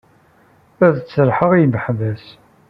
Ad d-serrḥeɣ i yimeḥbas.